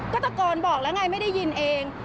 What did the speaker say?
ก็ตะโกนบอกแล้วไงไม่ได้ยินเอง